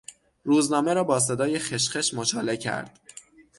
روزنامه را با صدای خشخش مچاله کرد.